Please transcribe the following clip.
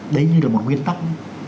đấy như là một nguyên tắc